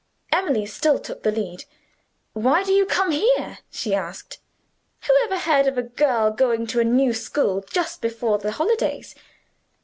Emily still took the lead. "Why do you come here?" she asked. "Who ever heard of a girl joining a new school just before the holidays?